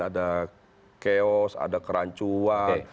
ada chaos ada kerancuan